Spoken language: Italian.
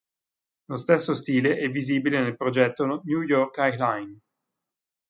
Lo stesso stile è visibile nel progetto New York High Line.